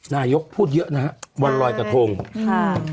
นายกพูดเยอะนะฮะวันรอยกระทงค่ะ